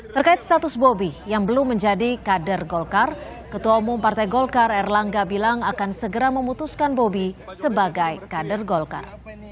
terkait status bobi yang belum menjadi kader golkar ketua umum partai golkar erlangga bilang akan segera memutuskan bobi sebagai kader golkar